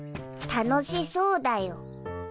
楽しそうだよ。